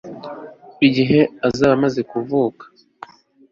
igihe azaba amaze kuvuka